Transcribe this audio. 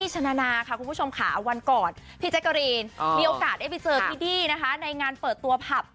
พี่จักรีนมีโอกาสได้ไปเจอพี่ดี้นะคะในงานเปิดตัวผับ